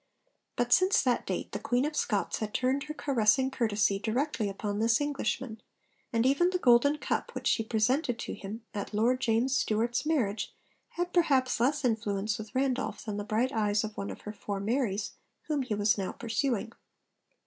But since that date the Queen of Scots had turned her caressing courtesy directly upon this Englishman, and even the golden cup which she presented to him at Lord James Stewart's marriage had perhaps less influence with Randolph than the bright eyes of one of her 'four Maries' whom he was now pursuing.